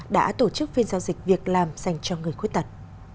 đã tổ chức phiên giao dịch việc làm dành cho người khuyết tật